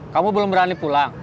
kamu belum berani pulang